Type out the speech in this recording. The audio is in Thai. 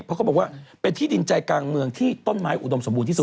เพราะเขาบอกว่าเป็นที่ดินใจกลางเมืองที่ต้นไม้อุดมสมบูรณที่สุด